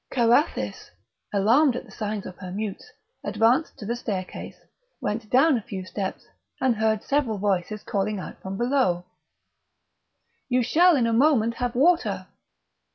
Carathis, alarmed at the signs of her mutes, advanced to the staircase, went down a few steps, and heard several voices calling out from below: "You shall in a moment have water!"